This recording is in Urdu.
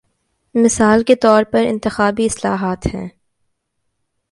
مثال کے طور پر انتخابی اصلاحات ہیں۔